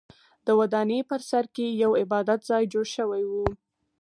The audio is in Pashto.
د ودانۍ په سر کې یو عبادت ځای جوړ شوی و.